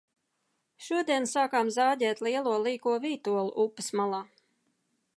Šodien sākām zāģēt lielo, līko vītolu upes malā.